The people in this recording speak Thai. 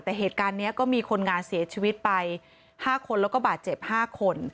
แต่เหตุการณ์นี้ก็มีคนงานเสียชีวิตไป๕คนแล้วก็บาดเจ็บ๕คน